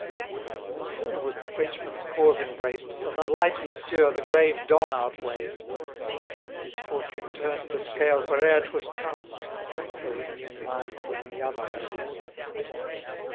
23 No sooner was the Frenchman's cause embraced, Than the light Monsieur the grave Don outweigh'd; His fortune turn'd the scale where'er 'twas cast, Though Indian mines were in the other laid.